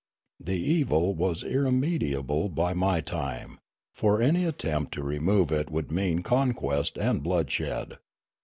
The evil was irremediable by m} time, for any attempt to re move it would mean conquest and bloodshed.